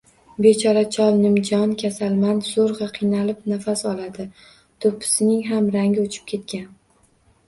Bechora chol nimjon, kasalmand, zoʻrgʻa, qiynalib nafas oladi, doʻppisining ham rangi oʻchib ketgan.